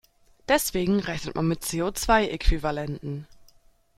Deswegen rechnet man mit CO-zwei-Äquivalenten.